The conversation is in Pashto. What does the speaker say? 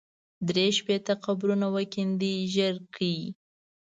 درې شپېته قبرونه وکېندئ ژر کړئ.